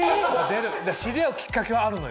知り合うきっかけはあるのよ。